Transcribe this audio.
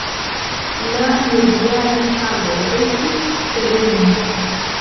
La Novjara Tago estis serena.